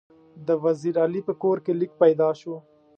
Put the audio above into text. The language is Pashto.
د وزیر علي په کور کې لیک پیدا شو.